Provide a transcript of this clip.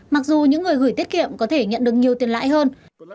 mặc dù những người gửi tiết kiệm có thể nhận được nhiều tiền lãi hơn